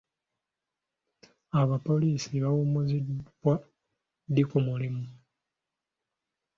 Abapoliisi bawummuzibwa ddi ku mulimu?